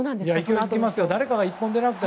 勢いづきますよ。